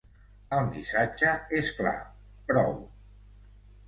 El missatge és clar: "prou".